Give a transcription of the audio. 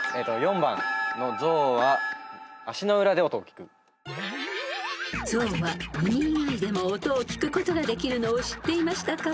［象は耳以外でも音を聞くことができるのを知っていましたか？］